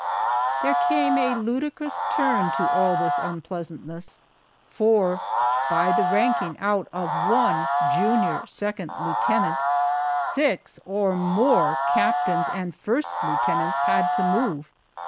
There came a ludicrous turn to all this unpleasantness, for, by the ranking out of one junior second lieutenant, six or more captains and first lieutenants had to move.